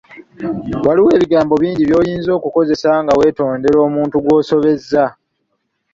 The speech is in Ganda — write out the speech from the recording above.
Waliwo ebigambo bingi by'oyinza okukozesa nga weetondera omuntu gw'osobezza.